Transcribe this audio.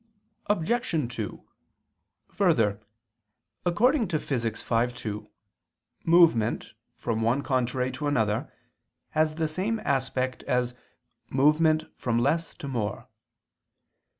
Obj. 2: Further, according to Phys. v, 2, movement "from one contrary to another" has the same aspect as "movement from less to more."